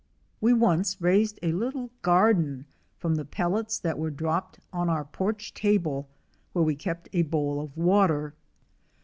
We once raised a little garden from the pellets that were dropped on our porch table where we kept a bowl of water.